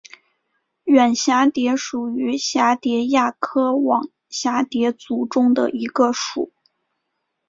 远蛱蝶属是蛱蝶亚科网蛱蝶族中的一个属。